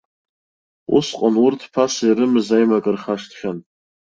Усҟан урҭ ԥаса ирымаз аимак рхашҭхьан.